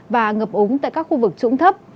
và ngập ống tại các khu vực trũng thấp